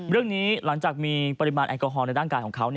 หลังจากมีปริมาณแอลกอฮอลในร่างกายของเขา